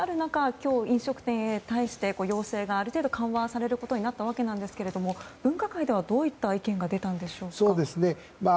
今日、飲食店に対して要請がある程度緩和されることになりましたが分科会ではどういった意見が出たんでしょうか。